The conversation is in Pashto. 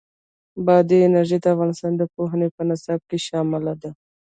بادي انرژي د افغانستان د پوهنې په نصاب کې شامل ده.